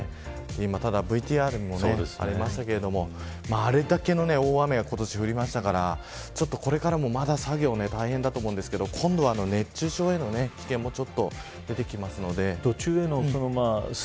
今ただＶＴＲにもありましたけれどもあれだけの大雨が今年、降りましたからちょっとこれからもまだ作業大変だと思うんですけど今度は熱中症への危険も出てくるので。